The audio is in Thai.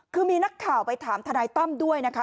คือมีนักข่าวไปถามทนายตั้มด้วยนะคะ